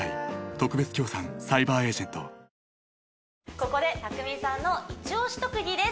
ここでたくみさんのイチ推し特技です